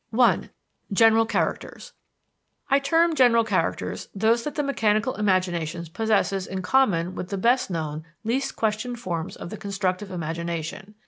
1. General Characters I term general characters those that the mechanical imagination possesses in common with the best known, least questioned forms of the constructive imagination.